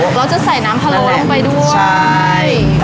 เราจะใส่น้ำภะรวลลงไปด้วย